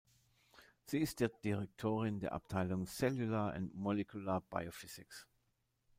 Sie ist dort Direktorin der Abteilung "Cellular and Molecular Biophysics".